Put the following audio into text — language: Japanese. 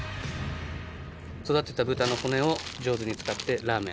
育てた豚の骨を上手に使ってラーメンを。